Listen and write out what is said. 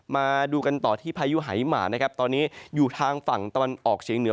มาดูกันต่อที่พายุหายหมานะครับตอนนี้อยู่ทางฝั่งตะวันออกเฉียงเหนือ